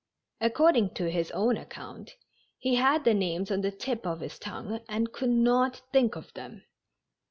According to his own account, he had the names on the tip of his tongue and could not think of them.